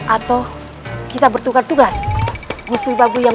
atau kita bertukar tugas musti pabu yang